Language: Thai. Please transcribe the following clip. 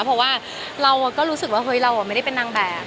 เพราะว่าเราก็รู้สึกว่าเฮ้ยเราไม่ได้เป็นนางแบบ